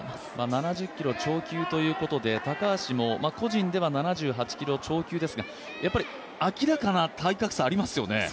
７０キロ超級ということで高橋も個人では７８キロ超級ですがやっぱり明らかな体格差、ありますよね。